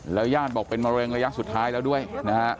ญาติบอกเป็นมะเร็งระยะสุดท้ายแล้วด้วยนะฮะ